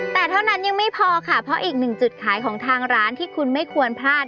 แต่เท่านั้นยังไม่พอค่ะเพราะอีกหนึ่งจุดขายของทางร้านที่คุณไม่ควรพลาด